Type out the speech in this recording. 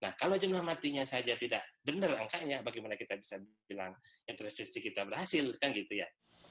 nah kalau jumlah matinya saja tidak benar angkanya bagaimana kita bisa bilang ya transmisi kita berhasil kan gitu ya